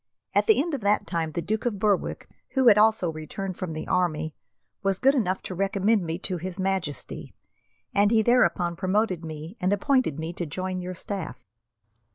At the end of that time the Duke of Berwick, who had also returned from the army, was good enough to recommend me to His Majesty, and he thereupon promoted me and appointed me to join your staff."